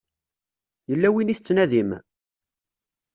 Yella win i tettnadim?